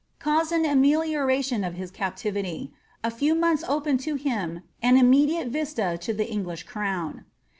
caused an amelioration of his captiTity. A few months opened to him an immediate vista to liie En^h crown.